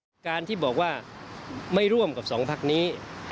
อัตราการที่บอกว่าไม่ร่วมของ๒ภาคนี้